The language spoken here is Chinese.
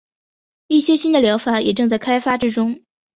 一些新的疗法也正在开发之中。